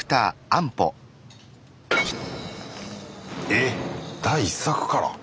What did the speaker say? えっ第１作から！